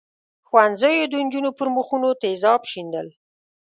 ښوونځیو د نجونو پر مخونو تېزاب شیندل.